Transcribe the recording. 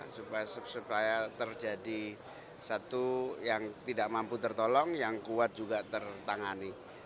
supaya terjadi satu yang tidak mampu tertolong yang kuat juga tertangani